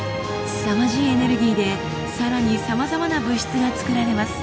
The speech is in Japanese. すさまじいエネルギーでさらにさまざまな物質が作られます。